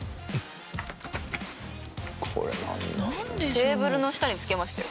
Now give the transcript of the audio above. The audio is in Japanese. テーブルの下に付けましたよ。